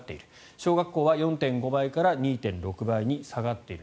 小学校は４．５倍から２．６倍に下がっている。